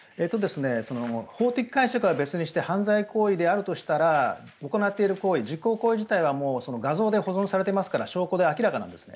法的解釈は別にして犯罪行為であるとしたら行っている行為実行行為自体は画像で残されていますから証拠で明らかなんです。